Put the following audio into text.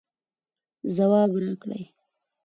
ځواب راکړئ